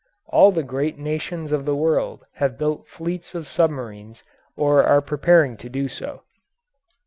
All the great nations of the world have built fleets of submarines or are preparing to do so.